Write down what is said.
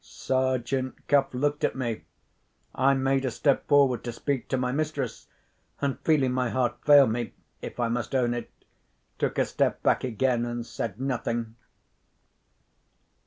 Sergeant Cuff looked at me. I made a step forward to speak to my mistress—and, feeling my heart fail me (if I must own it), took a step back again, and said nothing.